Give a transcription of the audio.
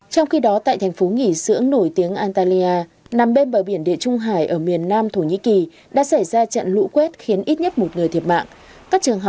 trong khi đó tại thành phố nghỉ sưỡng nổi tiếng antalya nằm bên bờ biển địa trung hải ở miền nam thổ nhĩ kỳ đã xảy ra trận lũ quét khiến ít nhất một người thiệt mạng